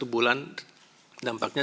satu bulan dampaknya